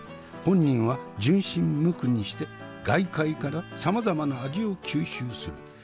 本人は純真むくにして外界からさまざまな味を吸収する。